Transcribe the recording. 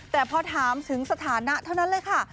แต่พอถามถึงสถานะเท่านั้นเลยค่ะ